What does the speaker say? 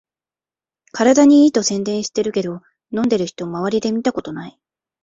体にいいと宣伝してるけど、飲んでる人まわりで見たことない